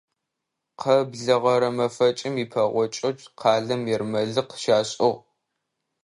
Къэблэгъэрэ мэфэкӀым ипэгъокӀэу къалэм ермэлыкъ щашӀыгъ.